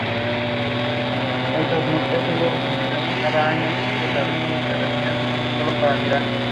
Son incompatibles con los ácidos.